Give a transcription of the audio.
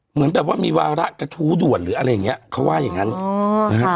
เหมือนแบบว่ามีวาระกระทู้ด่วนหรืออะไรอย่างเงี้ยเขาว่าอย่างงั้นนะฮะ